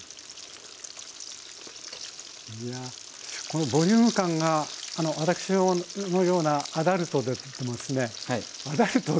このボリューム感が私のようなアダルトでもですねアダルト？